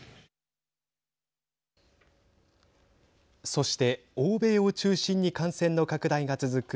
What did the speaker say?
そして欧米を中心に感染の拡大が続く